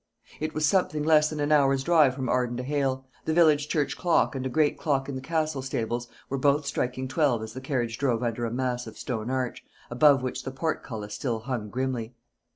It was something less than an hour's drive from Arden to Hale: the village church clock and a great clock in the Castle stables were both striking twelve as the carriage drove under a massive stone arch, above which the portcullis still hung grimly.